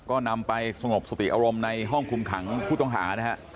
ก็นำไปสงบสติอารมณ์ในห้องคุมขังผู้ต้องหานะฮะ